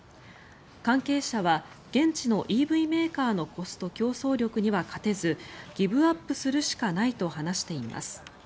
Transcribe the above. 関係者は現地のＥＶメーカーのコスト競争力には勝てずギブアップするしかないと話しています。